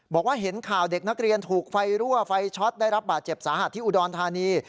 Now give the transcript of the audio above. บอกว่าเห็นข่าวเด็กนักเรียนถูกไฟรั่วไฟช็อตได้รับบาดเจ็บสาหัสที่อุดรธานี